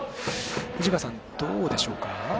藤川さん、どうでしょうか？